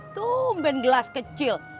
tumben gelas kecil